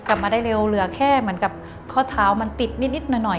กลับมาได้เร็วเหลือแค่เหมือนกับข้อเท้ามันติดนิดหน่อย